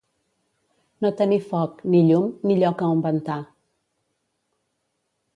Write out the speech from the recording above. No tenir foc, ni llum, ni lloc a on ventar.